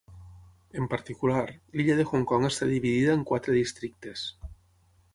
En particular, l'illa de Hong Kong està dividida en quatre districtes.